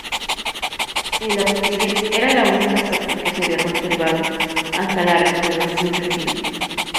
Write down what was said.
El ábside era la única parte que se había conservado, hasta la restauración reciente.